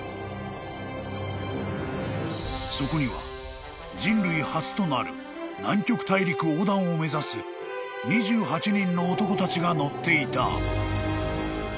［そこには人類初となる南極大陸横断を目指す２８人の男たちが乗っていた］